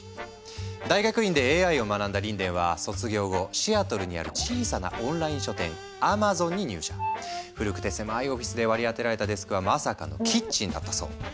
大学院でＡＩを学んだリンデンは卒業後古くて狭いオフィスで割り当てられたデスクはまさかのキッチンだったそう。